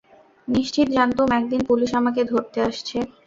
নিশ্চিত জানতুম একদিন পুলিস আমাকে ধরতে আসছে।